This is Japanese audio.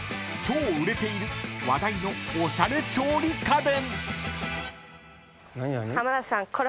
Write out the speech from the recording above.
［超売れている話題のおしゃれ調理家電］